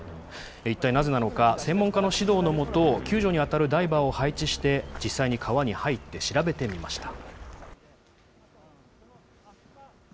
一体なぜなのか、専門家の指導の下、救助に当たるダイバーを配置して実際に川に入って調べてみました。